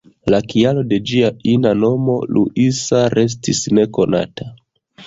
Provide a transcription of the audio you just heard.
La kialo de ĝia ina nomo ""Luisa"" restis nekonata.